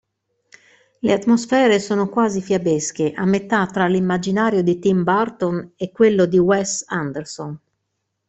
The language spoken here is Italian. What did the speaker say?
Le atmosfere sono quasi fiabesche, a metà tra l'immaginario di Tim Burton e quello di Wes Anderson.